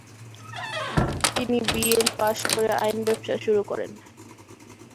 তিনি B. L. পাশ করে আইন ব্যবসা শুরু করেন।